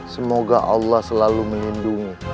semoga allah selalu menghindungi